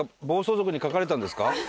暴走族に書かれたんですか？